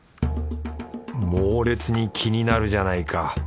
猛烈に気になるじゃないか。